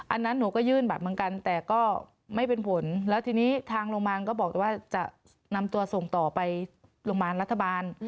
อันนั้นหนูก็ยื่นบัตรเหมือนกันแต่ก็ไม่เป็นผลแล้วทีนี้ทางโรงพยาบาลก็บอกว่าจะนำตัวส่งต่อไปโรงพยาบาลรัฐบาล